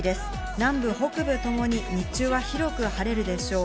南部北部ともに日中は広く晴れるでしょう。